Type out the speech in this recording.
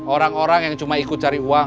orang orang yang cuma ikut cari uang